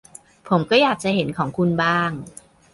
ผมก็อยากจะเห็นของคุณบ้าง